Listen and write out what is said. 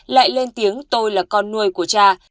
lại lên tiếng tôi là con nuôi của cha